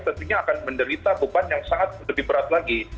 tentunya akan menderita beban yang sangat lebih berat lagi